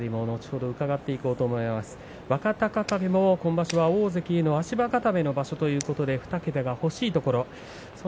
若隆景も今場所は大関の足場固めの場所ということで２桁が欲しいところです。